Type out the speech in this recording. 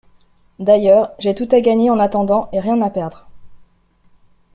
D'ailleurs, j'ai tout à gagner en attendant et rien à perdre.